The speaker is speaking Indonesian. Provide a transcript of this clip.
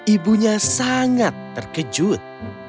ibunya sangat terkejut